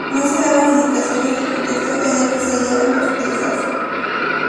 No se daban indicaciones del contexto en el que se hallaron las piezas.